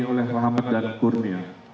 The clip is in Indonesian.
oleh muhammad dan qurnia